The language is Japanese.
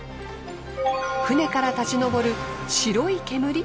船から立ち上る白い煙？